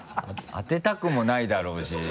当てたくもないだろうし。